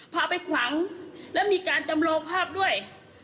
พาไปขวางแล้วมีการจำลองภาพด้วย